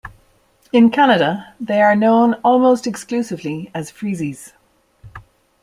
In Canada they are known almost exclusively as 'freezies'.